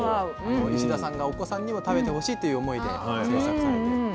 石田さんがお子さんにも食べてほしいという思いで創作されて。